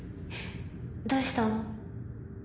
どうしたの？